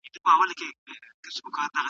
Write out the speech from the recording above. که مسلمانان متحد سي ټولنه به جوړه سي.